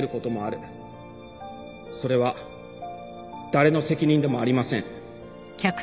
それは誰の責任でもありません。